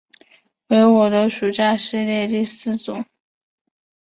为我的暑假系列第四作。